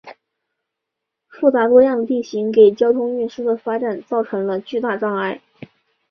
复杂多样的地形给交通运输的发展造成了巨大阻碍。